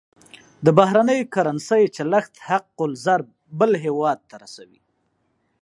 د بهرنۍ کرنسۍ چلښت حق الضرب بل هېواد ته رسوي.